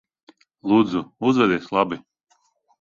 Lūdzu, uzvedies labi.